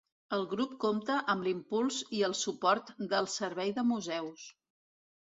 El grup compta amb l'impuls i el suport del Servei de Museus.